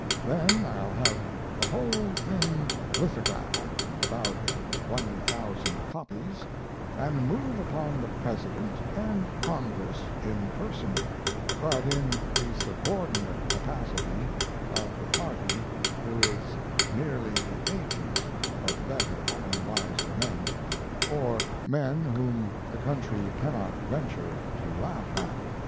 Then I'll have the whole thing lithographed (about one thousand copies), and move upon the President and Congress in person, but in the subordinate capacity of the party who is merely the agent of better and wiser men, or men whom the country cannot venture to laugh at.